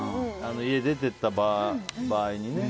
家を出ていった場合にね。